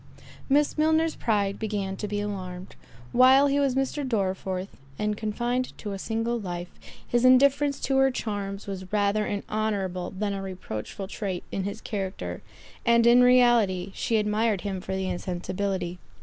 Miss Milner's pride began to be alarmed. While he was Mr. Dorriforth, and confined to a single life, his indifference to her charms was rather an honourable than a reproachful trait in his character, and in reality, she admired him for the insensibility.